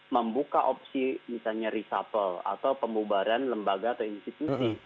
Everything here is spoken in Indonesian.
membuka opsi misalnya reshuffle atau pembubaran lembaga atau institusi